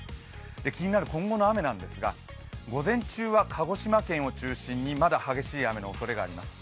気になる今後の雨なんですが午前中は鹿児島県を中心にまだ激しい雨のおそれがあります。